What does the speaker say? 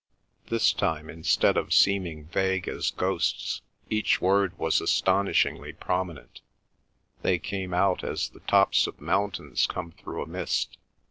This time, instead of seeming vague as ghosts, each word was astonishingly prominent; they came out as the tops of mountains come through a mist.